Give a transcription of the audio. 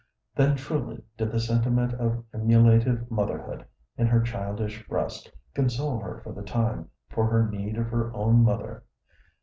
Then truly did the sentiment of emulative motherhood in her childish breast console her for the time for her need of her own mother.